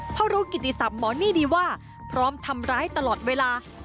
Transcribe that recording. พ่อรู้กิจสับหมอนี่ดีว่าพร้อมทำร้ายตลอดเวลา